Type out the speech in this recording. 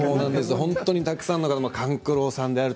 本当にたくさんの方勘九郎さん